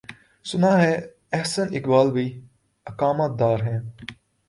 سناہے احسن اقبال بھی اقامہ دارہیں۔